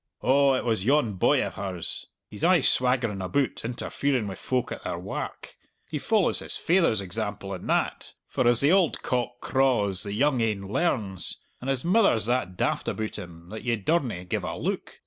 "Oh, it was yon boy of hers. He's aye swaggerin' aboot, interferin' wi' folk at their wark he follows his faither's example in that, for as the auld cock craws the young ane learns and his mither's that daft aboot him that ye daurna give a look!